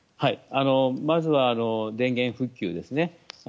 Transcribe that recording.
まずは、電源復旧ですね。